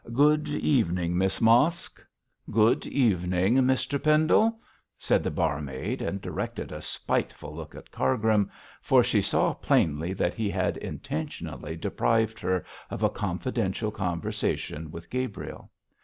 Good evening, Miss Mosk.' 'Good evening, Mr Pendle,' said the barmaid, and directed a spiteful look at Cargrim, for she saw plainly that he had intentionally deprived her of a confidential conversation with Gabriel.